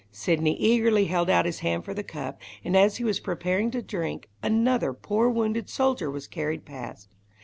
Sidney eagerly held out his hand for the cup, and as he was preparing to drink, another poor wounded soldier was carried past.